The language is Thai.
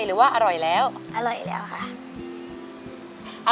หรือว่าอร่อยแล้วอร่อยแล้วคะ